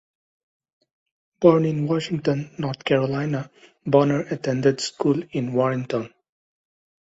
Born in Washington, North Carolina, Bonner attended school in Warrenton.